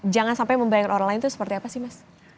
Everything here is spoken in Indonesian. jangan sampai membayar orang lain itu seperti apa sih mas